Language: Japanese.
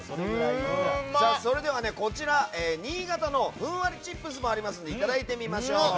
それではこちら、新潟のふんわりチップスもありますのでいただいてみましょう。